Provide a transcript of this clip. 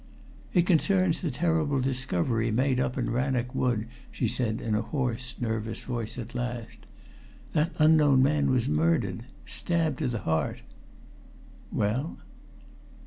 "It concerns the terrible discovery made up in Rannoch Wood," she said in a hoarse, nervous voice at last. "That unknown man was murdered stabbed to the heart." "Well?"